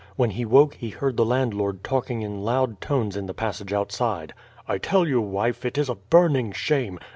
When he woke he heard the landlord talking in loud tones in the passage outside. "I tell you, wife it is a burning shame.